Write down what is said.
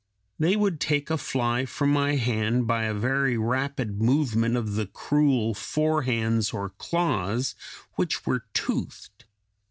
They would take a fly from my hand by a very rapid movement of the cruel, fore hands or claws, which were toothed.